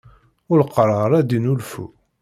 Uleqṛaṛ ad d-innulfu.